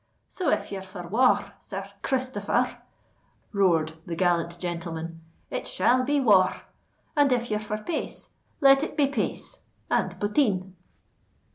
So, if you're for war r r, Sir Christopher r r," roared the gallant gentleman, "it shall be war r r; and if ye're for pace, let it be pace—and potheen!"